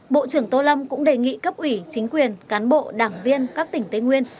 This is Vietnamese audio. bộ trưởng tô lâm cũng đề nghị cấp ủy chính quyền cán bộ đảng viên các tỉnh tây nguyên